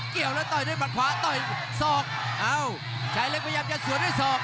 เกี่ยวแล้วต่อยด้วยมัดขวาต่อยศอกเอ้าชายเล็กพยายามจะสวนด้วยศอก